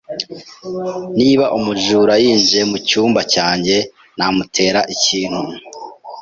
Niba umujura yinjiye mucyumba cyanjye, namutera ikintu.